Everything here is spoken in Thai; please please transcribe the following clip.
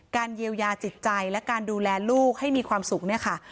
การเยียวยาจิตใจและการดูแลลูกให้มีความสุข